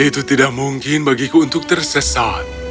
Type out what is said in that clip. itu tidak mungkin bagiku untuk tersesat